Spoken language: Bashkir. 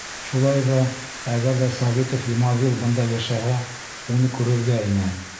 — Шулай ҙа, әгәр ҙә Сәғитов Йомаҙил бында йәшәһә, уны күрергә ине.